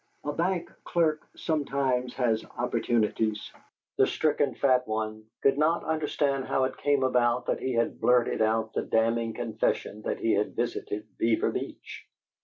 A bank clerk sometimes has opportunities. The stricken fat one could not understand how it came about that he had blurted out the damning confession that he had visited Beaver Beach.